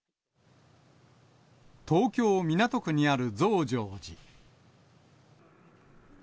東京・港区にある増上寺。